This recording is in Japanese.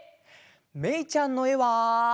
めいちゃんのえは？